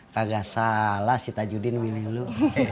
kagak salah si tajudin milih dulu